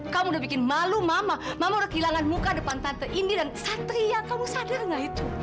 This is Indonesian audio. kamu udah bikin malu mama mama udah kehilangan muka depan tante ini dan satria kamu sadar gak itu